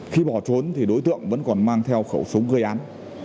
khi bỏ trốn thì đối tượng vẫn còn mang theo khẩu súng gây án